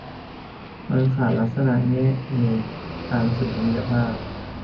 มันขาดลักษณะแง่มุมทางสุนทรียภาพ